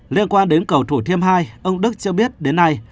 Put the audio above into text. liên quan đến cầu thủ thiêm hai ông đức cho biết đến nay